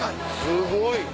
すごい。